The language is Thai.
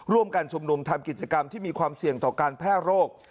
ร่วมกันชุมนุมทำกิจกรรมที่มีความเสี่ยงต่อการแพร่โรค